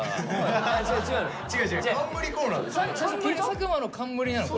佐久間の冠なの？